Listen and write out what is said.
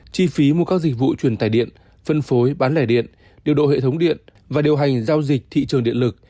chi phí mua các dịch vụ truyền tài điện phân phối bán lẻ điện điều độ hệ thống điện và điều hành giao dịch thị trường điện lực